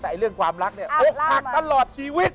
แต่เรื่องความรักเนี่ยอกหักตลอดชีวิต